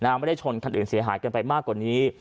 ไม่ได้ชนคันอื่นเสียหายกันไปมากกว่านี้